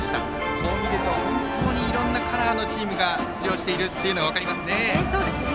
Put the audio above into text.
こう見ると本当にいろんなカラーのチームが出場しているのが分かりますね。